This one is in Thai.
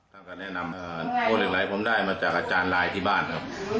ถ้าการแนะนำอย่างไรผมมาได้มาจากอาจารย์ไลที่บ้านครับ